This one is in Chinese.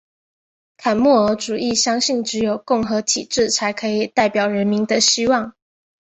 凯末尔主义相信只有共和体制才可以代表人民的希望。